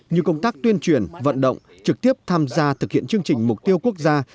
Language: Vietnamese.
như công tác tuyên truyền vận động trực tiếp tham gia thực hiện chương trình mục tiêu quốc gia